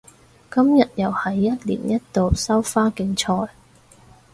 今日又係一年一度收花競賽